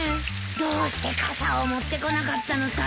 どうして傘を持ってこなかったのさ。